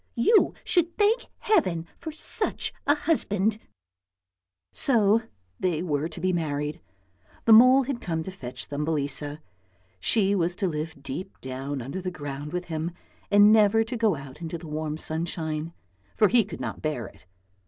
You should thank heaven for such a husband! " j6 ANDERSEN'S FAIRY TALES So they were to be married; the mole had come to fetch Thumbelisa; she was to live deep down under the ground with him, and never to go out into the warm sunshine, for he could not bear it.